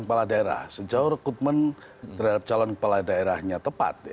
kepala daerah sejauh rekrutmen terhadap calon kepala daerahnya tepat